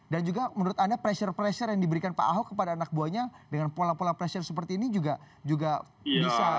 dan juga menurut anda pressure pressure yang diberikan pak ahok kepada anak buahnya dengan pola pola pressure seperti ini juga bisa